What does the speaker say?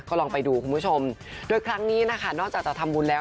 ก็ลองไปดูคุณผู้ชมโดยครั้งนี้นะคะนอกจากจะทำบุญแล้ว